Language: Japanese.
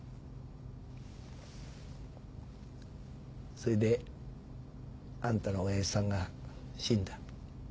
そいであんたの親父さんが死んだ。